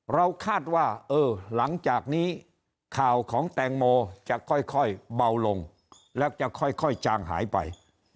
เราคาดว่าเออหลังจากนี้ข่าวของแตงโมจะค่อยเบาลงแล้วจะค่อยจางหายไป